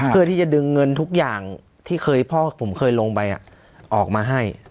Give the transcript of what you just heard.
เพื่อที่จะดึงเงินทุกอย่างที่เคยพ่อผมเคยลงไปออกมาให้